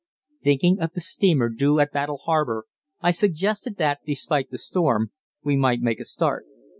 Thinking of the steamer due at Battle Harbour, I suggested that, despite the storm, we might make a start.